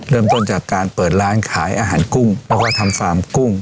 เริ่มต้นจากการเปิดร้านขายอาหารกุ้งแล้วก็ทำฟาร์มกุ้ง